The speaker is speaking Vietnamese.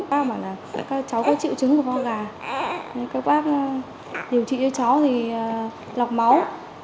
bác bảo là cháu có triệu chứng của ho gà các bác điều trị cho cháu thì lọc máu